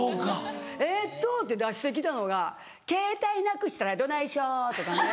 えっと」って出して来たのがケータイなくしたらどないしようとかね。